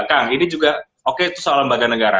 kang ini juga oke itu soal lembaga negara